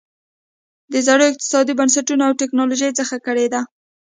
د زړو اقتصادي بنسټونو او ټکنالوژۍ څخه کړېده.